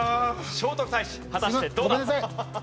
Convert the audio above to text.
聖徳太子果たしてどうだ？